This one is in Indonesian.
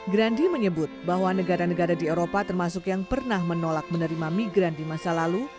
grandi menyebut bahwa negara negara di eropa termasuk yang pernah menolak menerima migran di masa lalu